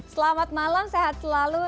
selamat malam sehat selalu